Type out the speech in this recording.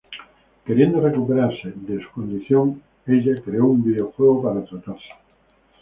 Queriendo recuperarse de su condición, ella creó un videojuego para tratarse.